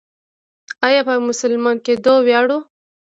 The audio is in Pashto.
آیا په مسلمان کیدو ویاړو؟